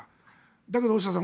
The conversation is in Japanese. だけど大下さん